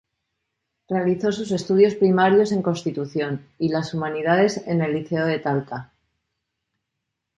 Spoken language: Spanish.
Realizó sus estudios primarios en Constitución y las humanidades en el Liceo de Talca.